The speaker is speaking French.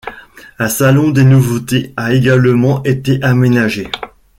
Un salon des nouveautés a également été aménagé.